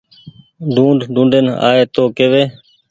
ڊونڊ ڊونڊين آئي تو ڪيوي